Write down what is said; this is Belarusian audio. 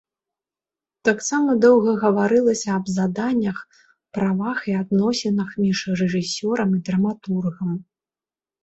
Таксама доўга гаварылася аб заданнях, правах і адносінах між рэжысёрам і драматургам.